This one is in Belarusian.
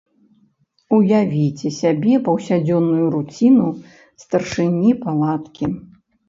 Уявіце сябе паўсядзённую руціну старшыні палаткі.